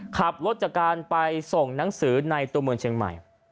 ขับรถจากการไปส่งหนังสือในตัวเมืองเชียงใหม่